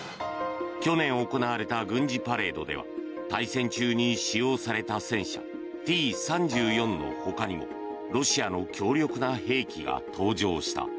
去年行われた軍事パレードでは大戦中に使用された戦車Ｔ３４のほかにもロシアの強力な兵器が登場した。